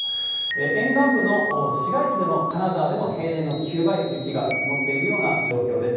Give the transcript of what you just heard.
沿岸部の市街地でも、金沢でも平年の９倍雪が積もっているような状況です。